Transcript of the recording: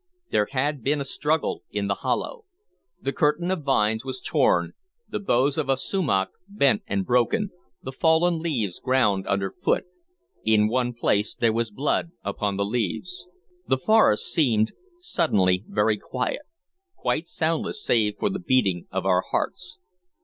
There had been a struggle in the hollow. The curtain of vines was torn, the boughs of a sumach bent and broken, the fallen leaves groun underfoot. In one place there was blood upon the leaves. The forest seemed suddenly very quiet, quite soundless save for the beating of our hearts.